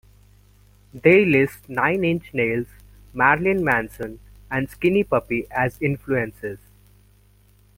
They list Nine Inch Nails, Marilyn Manson and Skinny Puppy as influences.